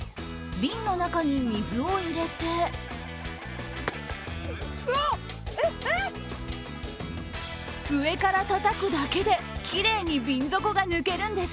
瓶の中に水を入れて上からたたくだけできれいに瓶底が抜けるんです。